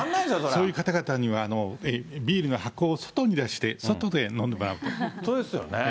そういう方々にはビールの箱を外に出して、外で飲んでもらう本当ですよね。